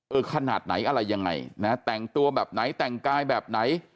ขนาดไหนอะไรยังไงนะแต่งตัวแบบไหนแต่งกายแบบไหน